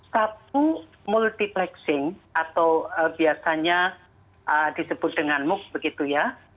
satu multiplexing atau biasanya disebut dengan mooc begitu ya